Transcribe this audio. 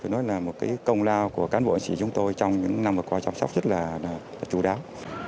phải nói là một công lao của cán bộ chiến sĩ chúng tôi trong những năm vừa qua chăm sóc rất là chủ đáo